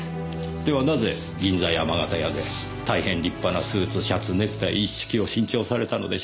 ではなぜ銀座山形屋で大変立派なスーツシャツネクタイ一式を新調されたのでしょう？